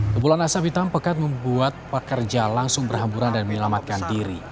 kepulan asap hitam pekat membuat pekerja langsung berhamburan dan menyelamatkan diri